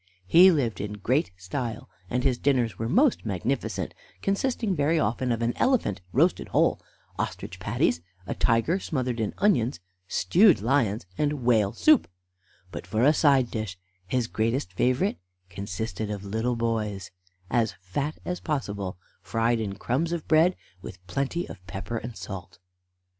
He lived in great style, and his dinners were most magnificent, consisting very often of an elephant roasted whole, ostrich patties, a tiger smothered in onions, stewed lions, and whale soup; but for a side dish his greatest favorite consisted of little boys, as fat as possible, fried in crumbs of bread, with plenty of pepper and salt.